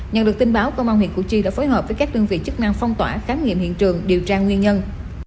nhận được tin báo công an huyện củ chi đã phối hợp với các đơn vị chức năng phong tỏa khám nghiệm hiện trường điều tra nguyên nhân